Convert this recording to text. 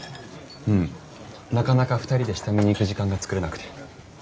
うんなかなか２人で下見に行く時間が作れなくて。